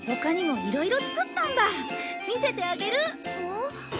見せてあげる！